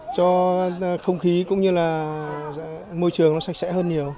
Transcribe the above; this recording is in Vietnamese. cho không khí cũng như là môi trường nó sạch sẽ hơn nhiều